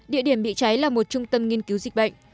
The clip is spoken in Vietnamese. địa điểm bị cháy là một trung tâm nghiên cứu dịch bệnh